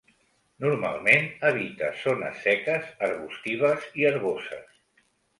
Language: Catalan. Normalment habita zones seques, arbustives i herboses.